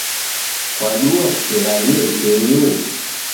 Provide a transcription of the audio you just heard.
Kwadua kuseghala kenyu?